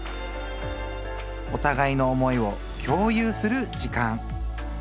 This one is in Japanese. おたがいの思いを共有する時間。